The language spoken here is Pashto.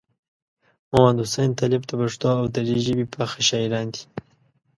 محمدحسین طالب د پښتو او دري ژبې پاخه شاعران دي.